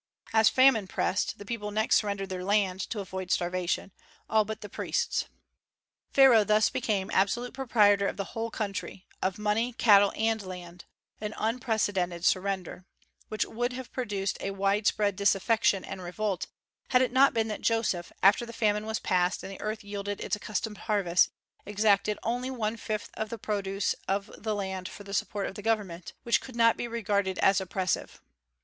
As famine pressed, the people next surrendered their land to avoid starvation, all but the priests. Pharaoh thus became absolute proprietor of the whole country; of money, cattle, and land, an unprecedented surrender, which would have produced a wide spread disaffection and revolt, had it not been that Joseph, after the famine was past and the earth yielded its accustomed harvest, exacted only one fifth of the produce of the land for the support of the government, which could not be regarded as oppressive.